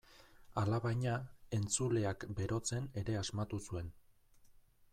Alabaina, entzuleak berotzen ere asmatu zuen.